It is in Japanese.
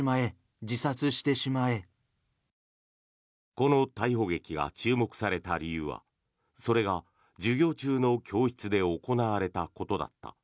この逮捕劇が注目された理由はそれが授業中の教室で行われたことだった。